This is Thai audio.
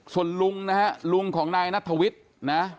ส่วนลุงนะฮะลุงของนายนัทวิทย์นะ